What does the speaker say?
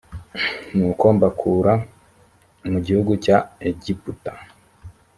nuko mbakura mu gihugu cya egiputa